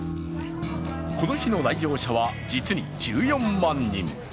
この日の来場者は実に１４万人。